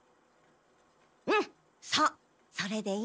うんそうそれでいいの。